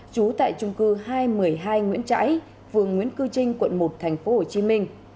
trú tại trung cư hai trăm một mươi hai nguyễn trãi phường nguyễn cư trinh quận một tp hcm